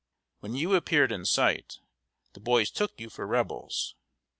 When you appeared in sight, the boys took you for Rebels.